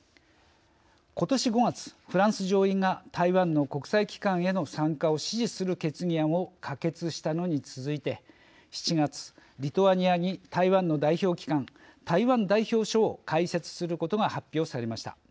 ことし５月、フランス上院が台湾の国際機関への参加を支持する決議案を可決したのに続いて７月、リトアニアに台湾の代表機関、台湾代表処を開設することが発表されました。